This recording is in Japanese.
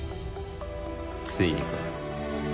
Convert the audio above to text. ついにか。